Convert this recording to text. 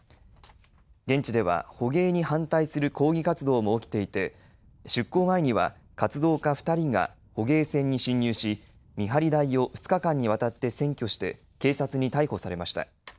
現地では捕鯨に反対する抗議活動も起きていて出航前には活動家２人が捕鯨船に侵入し見張り台を２日間にわたって占拠して警察に逮捕されました。